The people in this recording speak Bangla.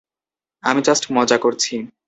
আমি জাস্ট মজা করছি।